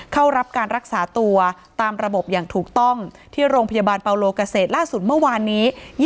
เข้ารับการรักษาตัวตามระบบอย่างถูกต้องที่โรงพยาบาลเปาโลเกษตรล่าสุดเมื่อวานนี้